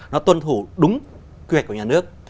nó tuân thủ đúng quyền của nhà nước